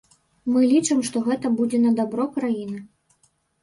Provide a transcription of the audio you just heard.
Мы лічым, што гэта будзе на дабро краіны.